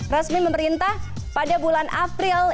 resmi memerintah pada bulan april